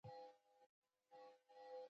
مامور باید خپله دنده د قانون مطابق وکړي.